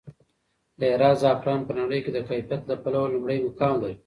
د هرات زعفران په نړۍ کې د کیفیت له پلوه لومړی مقام لري.